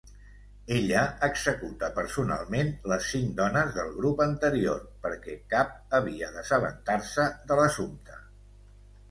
Ella executa personalment les cinc dones del grup anterior perquè cap havia d'assabentar-se de l'assumpte.